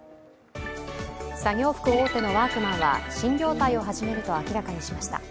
作業服大手のワークマンは新業態を始めると明らかにしました。